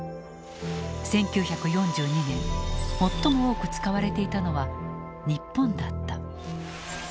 １９４２年最も多く使われていたのは「日本」だった。